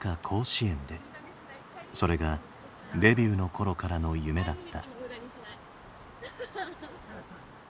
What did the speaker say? それがデビューの頃からの夢だった。